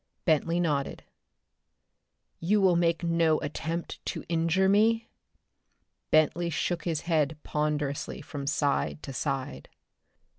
Bentley nodded. "You will make no attempt to injure me?" Bentley shook his head ponderously from side to side.